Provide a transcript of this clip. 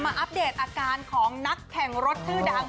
อัปเดตอาการของนักแข่งรถชื่อดัง